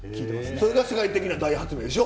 それが世界的な大発明でしょ？